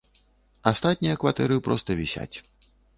Астатнія кватэры проста вісяць.